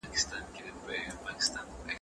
تر پښو لاندي به یې خونه لړزوله